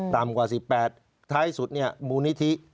ตามกว่า๑๘ปีท้ายสุดมูลนิธิ